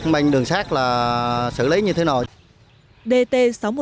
mình đường xác là xử lý như thế nào